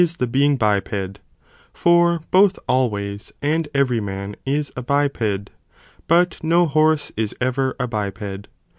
the being biped, for both always and every man is a biped, but no horse is ever a biped.